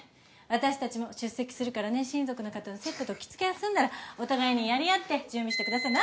私たちも出席するからね親族の方のセットと着付けが済んだらお互いにやり合って準備してください。